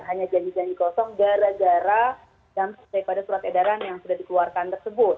hanya janji janji kosong gara gara dampak daripada surat edaran yang sudah dikeluarkan tersebut